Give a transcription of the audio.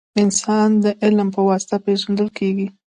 • انسان د عمل په واسطه پېژندل کېږي.